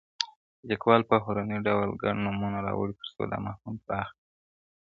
ليکوال په هنري ډول ګڼ نومونه راوړي تر څو دا مفهوم پراخ کړي,